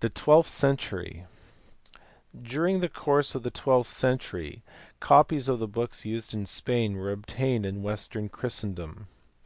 The twelfth century. During the course of the twelfth century copies of the books used in Spain were obtained in western Christendom.